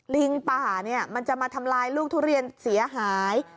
ลิงป่าเนี่ยมันจะมาทำลายลูกทุเรียนเสียหาย